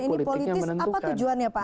ini politis apa tujuannya pak